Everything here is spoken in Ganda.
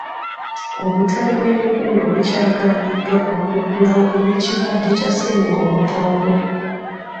Obutale bw'emibuulo bukyagaaniddwa okuggulwawo olw'ekirwadde kya ssenyiga omukambwe.